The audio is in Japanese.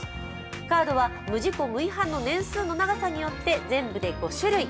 カードは無事故・無違反の年数の長さによって、全部で５種類。